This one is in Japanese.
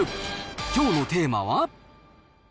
きょうのテーマは。